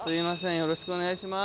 よろしくお願いします。